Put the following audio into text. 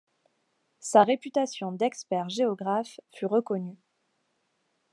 Sa réputation d'expert géographe fut reconnue.